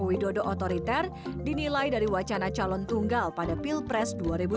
jokowi dodo otoriter dinilai dari wacana calon tunggal pada pilpres dua ribu sembilan belas